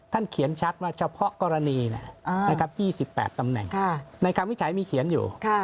เขียนชัดว่าเฉพาะกรณี๒๘ตำแหน่งในคำวิจัยมีเขียนอยู่